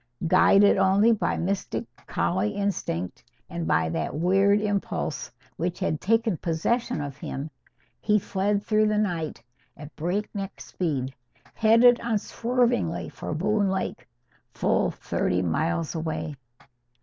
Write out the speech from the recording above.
Guided only by mystic collie instinct and by that weird impulse which had taken possession of him, he fled through the night at breakneck speed, headed unswervingly for Boone Lake, full thirty miles away.